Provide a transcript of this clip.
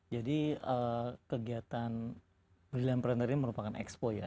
jadi kegiatan brilliant partner ini merupakan ekspo ya